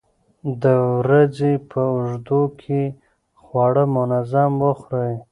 د ورځې په اوږدو کې خواړه منظم وخورئ.